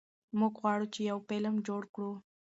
موږ غواړو چې یو فلم جوړ کړو.